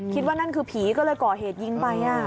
คิดว่านั่นคือผีก็เลยก่อเหตุยิงไป